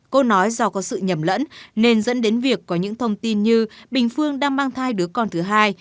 cô nói do có sự nhầm lẫn nên dẫn đến việc có những thông tin như bình phương đang mang thai đứa con thứ hai